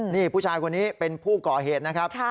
นี่ผู้ชายคนนี้เป็นผู้ก่อเหตุนะครับ